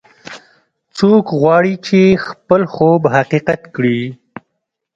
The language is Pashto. څوک غواړي چې خپل خوب حقیقت کړي